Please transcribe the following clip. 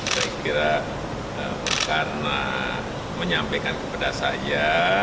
saya kira karena menyampaikan kepada saya